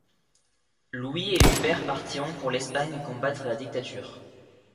Louis et Hubert partiront pour l'Espagne combattre la dictature.